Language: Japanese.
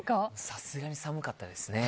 さすがに寒かったですね。